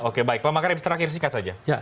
oke baik pak makarim terakhir singkat saja